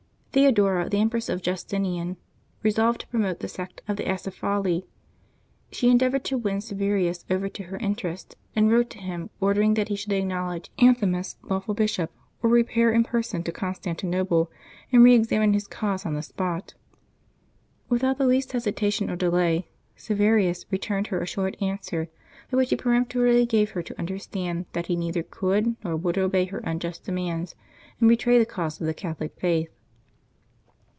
Theodora, the empress of Justinian, resolved to promote the sect of the Acephali. She endeavored to win Silverius over to her interest, and wrote to him, ordering that he should acknowledge Anthimus lawful bishop, or repair in person to Constantinople and reexamine his cause on the spot. Without the least hesitation or delay, Silverius re turned her a short answer, by which he peremptorily gave her to understand that he neither could nor would obey her unjust demands and betray the cause of the Catholic faith.